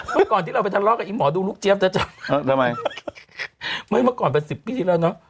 เมื่อก่อนที่เราไปทะเลาะกับอีหมอดูลูกเจี๊ยบจะจับทำไมเมื่อก่อนเป็นสิบปีที่แล้วเนอะ